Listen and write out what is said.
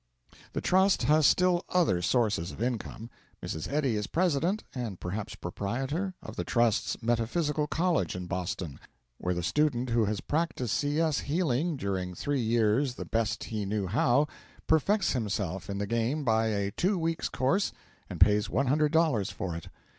The Trust has still other sources of income. Mrs. Eddy is president (and perhaps proprietor?) of the Trust's Metaphysical College in Boston, where the student who has practised C.S. healing during three years the best he knew how perfects himself in the game by a two weeks' course, and pays one hundred dollars for it!